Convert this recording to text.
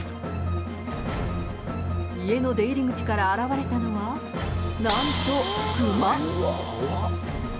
家の出入り口から現れたのは、なんとクマ。